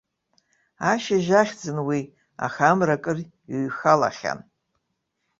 Ашьыжь ахьӡын уи, аха амра акыр иҩхалахьан.